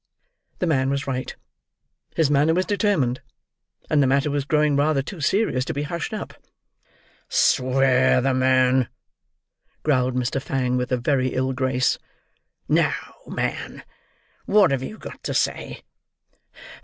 The man was right. His manner was determined; and the matter was growing rather too serious to be hushed up. "Swear the man," growled Mr. Fang, with a very ill grace. "Now, man, what have you got to say?"